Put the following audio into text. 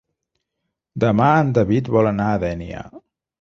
Demà en David vol anar a Dénia.